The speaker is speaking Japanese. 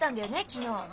昨日。